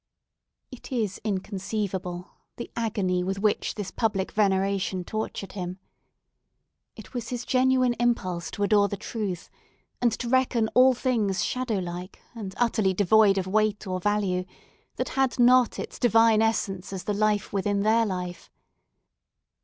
It is inconceivable, the agony with which this public veneration tortured him. It was his genuine impulse to adore the truth, and to reckon all things shadow like, and utterly devoid of weight or value, that had not its divine essence as the life within their life.